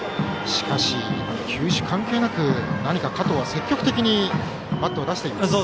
しかし、球種関係なく加藤は積極的にバットを出しています。